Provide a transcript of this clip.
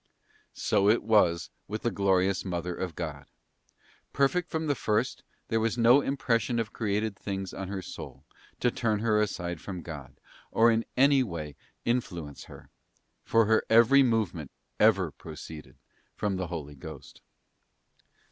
So it was with the Glorious Mother of God. _ Perfect from the first, there was no impression of creatéd things on her soul, to turn her aside from God, or in any way to influence her; for her every movement ever proceeded from the Holy . Ghost.